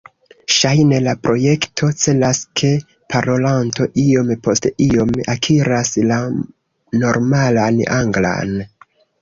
Ŝajne la projekto celas ke parolanto iom-post-iom akiras la normalan anglan.